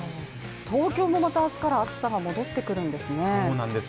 東京のまた明日から暑さが戻ってくるんですね